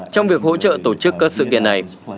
trong việc hỗ trợ tổ chức các sự kiện này